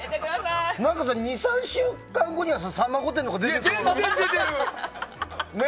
２３週間後には「さんま御殿！！」とかに出てそう。